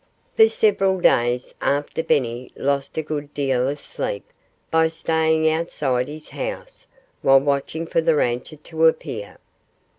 For several days afterward Benny lost a good deal of sleep by staying outside his house while watching for the rancher to appear.